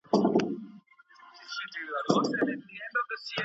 که په تمځایونو کي مهالویش ځوړند وي، نو مسافر نه سرګردانه کیږي.